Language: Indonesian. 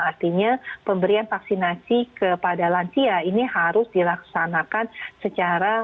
artinya pemberian vaksinasi kepada lansia ini harus dilaksanakan secara